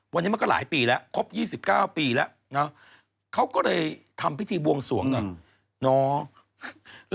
วันนี้มันก็หลายปีแล้วครบ๒๙ปีแล้วเนอะเขาก็เลยทำพิธีบวงสวงหน่อย